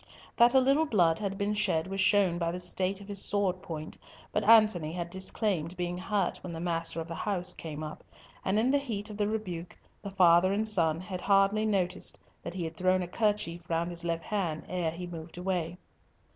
That a little blood had been shed was shown by the state of his sword point, but Antony had disclaimed being hurt when the master of the house came up, and in the heat of the rebuke the father and son had hardly noticed that he had thrown a kerchief round his left hand ere he moved away.